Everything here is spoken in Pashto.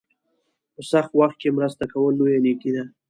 په سخت وخت کې مرسته کول لویه نیکي ده.